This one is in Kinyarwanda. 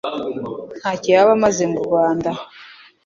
ntacyo yaba amaze mu Rwanda.